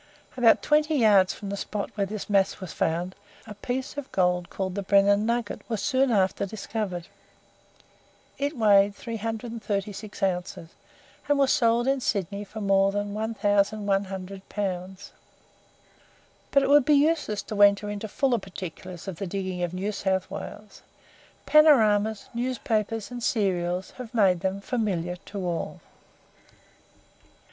About twenty yards from the spot where this mass was found, a piece of gold called the "Brennan Nugget" was soon after discovered. It weighed three hundred and thirty six ounces, and was sold in Sydney for more than 1,100 pounds. But it would be useless to enter into fuller particulars of the diggings of New South Wales. Panoramas, newspapers, and serials have made them familiar to all.